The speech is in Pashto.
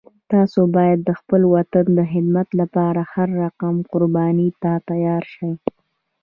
تاسو باید د خپل وطن د خدمت لپاره هر رقم قربانی ته تیار شئ